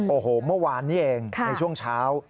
โอ้โหเมื่อวานนี้เองในช่วงเช้า